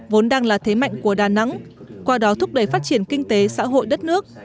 vốn đang là thế mạnh của đà nẵng qua đó thúc đẩy phát triển kinh tế xã hội đất nước